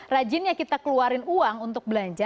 rajinnya kita keluarin uang untuk belanja